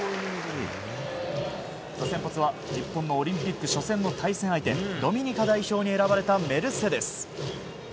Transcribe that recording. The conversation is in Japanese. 先発は日本のオリンピック初戦の対戦相手ドミニカ代表に選ばれたメルセデス。